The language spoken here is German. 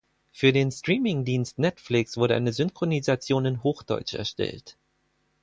Für den Streamingdienst Netflix wurde eine Synchronisation in Hochdeutsch erstellt.